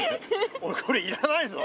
俺これ要らないぞ。